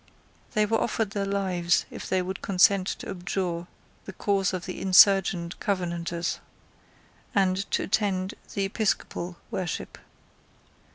They were offered their lives if they would consent to abjure the cause of the insurgent Covenanters, and to attend the Episcopal worship.